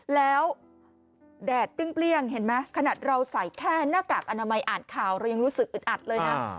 แล้วแดดเปรี้ยงเห็นไหมขนาดเราใส่แค่หน้ากากอนามัยอ่านข่าวเรายังรู้สึกอึดอัดเลยนะ